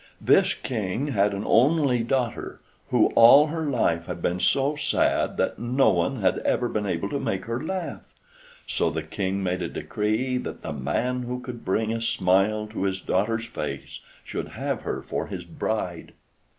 This King had an only daughter, who all her life had been so sad that no one had ever been able to make her laugh. So the King made a decree that the man who could bring a smile to his daughter's face should have her for his bride.